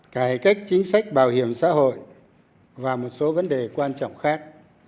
cải cách chính sách bảo hiểm xã hội và một số vấn đề quan trọng khác